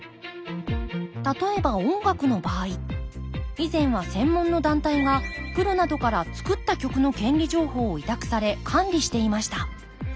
例えば音楽の場合以前は専門の団体がプロなどから作った曲の権利情報を委託され管理していました。